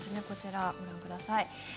こちら、ご覧ください。